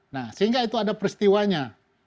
nah sehingga itu ada peristiwanya